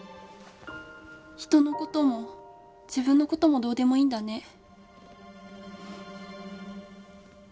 人のことも自分のこともどうでもいいんだね。